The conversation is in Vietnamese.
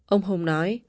ông hùng nói